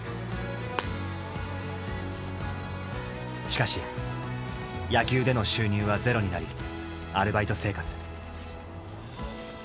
しかし野球での収入はゼロになりアルバイト生活。